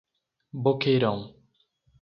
Boqueirão